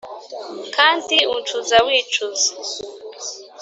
kandi uncuza wicuza